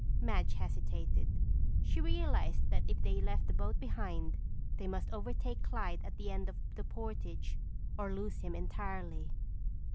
Madge hesitated. She realized that if they left the boat behind, they must overtake Clyde at the end of the portage or lose him entirely.